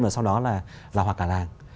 và sau đó là là hoạt cả làng